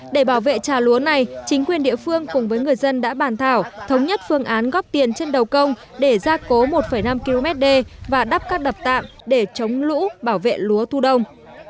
để bảo vệ trà lúa này chính quyền địa phương cùng với người dân đã bàn thảo thống nhất phương án góp tiền trên đầu công để gia cố một năm km đê và đắp các đập tạm để chống lũ bảo vệ lúa thu đông